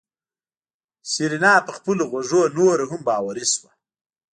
سېرېنا په خپلو غوږو نوره هم باوري شوه.